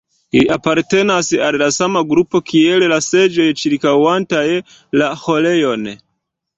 Ili apartenas al la sama grupo kiel la seĝoj ĉirkaŭantaj la ĥorejon.